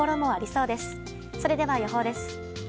それでは、予報です。